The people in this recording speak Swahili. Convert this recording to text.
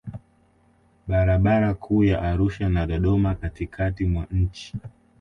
Barabara kuu ya Arusha na Dodoma katikatikati mwa nchi